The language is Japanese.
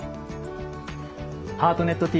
「ハートネットＴＶ」